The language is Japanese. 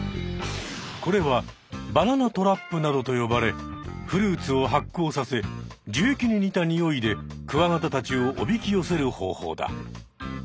これはバナナトラップなどと呼ばれフルーツを発酵させ樹液に似たにおいでクワガタたちをおびきよせる方法だ。